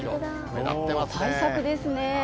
大作ですね。